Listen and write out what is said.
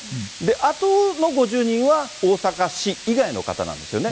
あとの５０人は大阪市以外の方なんですよね。